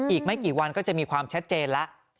อีกไม่กี่วันก็จะมีความชัดเจนแล้ว